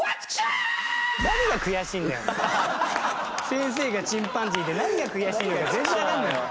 先生がチンパンジーで何が悔しいんだか全然わかんない。